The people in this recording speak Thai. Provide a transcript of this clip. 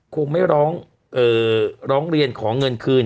คงไม่ร้องร้องเรียนขอเงินคืน